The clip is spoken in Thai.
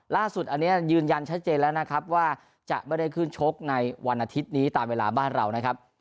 ล่าสุดอันนี้ยืนยันชัดเจนแล้วนะครับว่าจะไม่ได้ขึ้นชกในวันอาทิตย์นี้ตามเวลาบ้านเรานะครับ